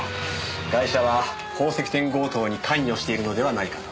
ガイシャは宝石店強盗に関与しているのではないかと。